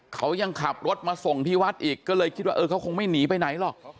เขายังขับรถมาส่งที่วัดอีกก็เลยคิดว่าเออเขาคงไม่หนีไปไหนหรอก